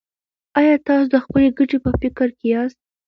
ایا تاسو د خپلې ګټې په فکر کې یاست.